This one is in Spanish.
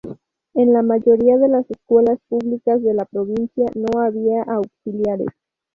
En la mayoría de las escuelas públicas de la provincia no había auxiliares.